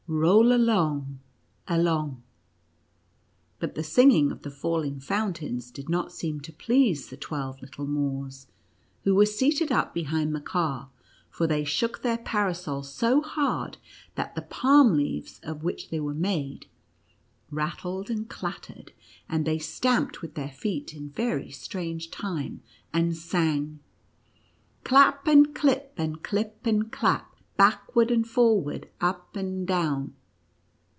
— roll along, along." But the sin^in^ of the falling fountains did not seem to please the twelve little Moors, NUTCEACKEß AIs T D MOUSE KING. 117 who were seated up behind the car, for they shook their parasols so hard that the palm leaves of which they were made rattled and clattered, and they stamped with their feet in very strange time, and sang, " Klapp and klipp, and klipp and klapp, backward and forward, up and down!"